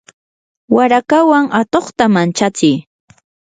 warakawan atuqta mantsachi.